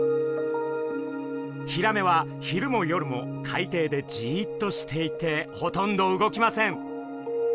ヒラメは昼も夜も海底でじっとしていてほとんど動きません。